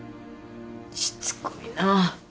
しつこいなぁ。